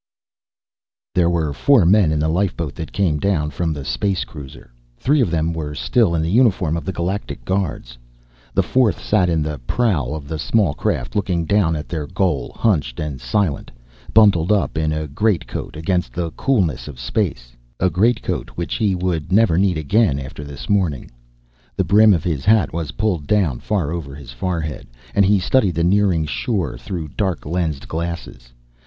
There were four men in the lifeboat that came down from the space cruiser. Three of them were still in the uniform of the Galactic Guards. The fourth sat in the prow of the small craft looking down at their goal, hunched and silent, bundled up in a greatcoat against the coolness of space a greatcoat which he would never need again after this morning. The brim of his hat was pulled down far over his forehead, and he studied the nearing shore through dark lensed glasses.